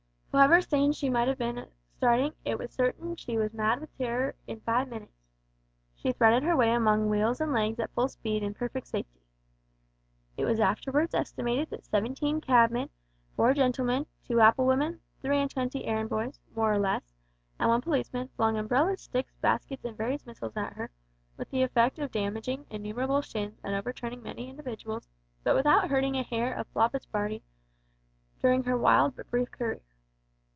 However sane she might have been at starting, it is certain that she was mad with terror in five minutes. She threaded her way among wheels and legs at full speed in perfect safety. It was afterwards estimated that seventeen cabmen, four gentlemen, two apple women, three and twenty errand boys more or less, and one policeman, flung umbrellas, sticks, baskets, and various missiles at her, with the effect of damaging innumerable shins and overturning many individuals, but without hurting a hair of Floppart's body during her wild but brief career.